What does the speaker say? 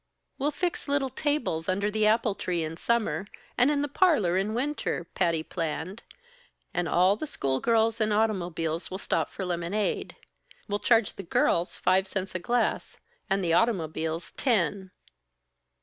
"We'll fix little tables under the apple tree in summer and in the parlor in winter," Patty planned, "and all the school girls and automobiles will stop for lemonade. We'll charge the girls five cents a glass and the automobiles ten."